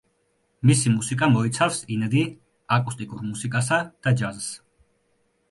მისი მუსიკა მოიცავს ინდი, აკუსტიკურ მუსიკასა და ჯაზს.